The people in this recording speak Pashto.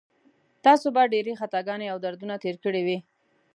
تاسو به ډېرې خطاګانې او دردونه تېر کړي وي.